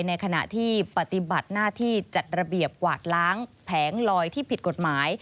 ในขณะที่ปฏิบัติหน้าที่จัดระเบียบกวาดล้างแผงลอยที่ผิดกฎหมาย